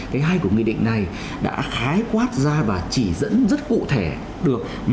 cái hai của nghị định này đã khái quát ra và chỉ dẫn rất cụ thể được